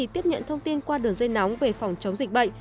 tiếp nhận thông tin qua đường dây nóng về phòng chống dịch bệnh